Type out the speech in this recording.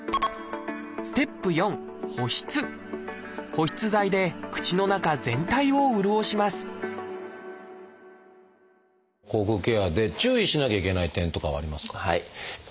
保湿剤で口の中全体を潤します口腔ケアで注意しなきゃいけない点とかはありますか？